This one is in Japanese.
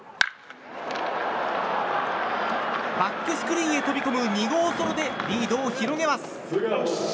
バックスクリーンへ飛び込む２号ソロでリードを広げます。